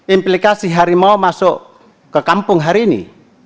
implikasi harimau masuk ke kampung hari ini